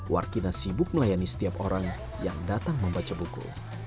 warkina sibuk melayani setiap orang yang datang membaca buku